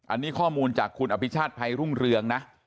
อันนี้ข้อมูลจากคุณอภิชาติภัยรุ่งเรืองนะ